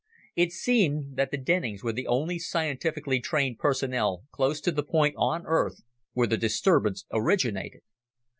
It seemed that the Dennings were the only scientifically trained personnel close to the point on Earth where the disturbance originated.